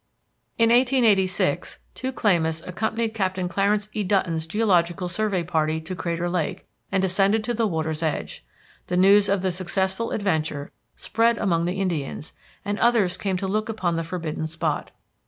In 1886 two Klamaths accompanied Captain Clarence E. Dutton's Geological Survey party to Crater Lake and descended to the water's edge. The news of the successful adventure spread among the Indians, and others came to look upon the forbidden spot.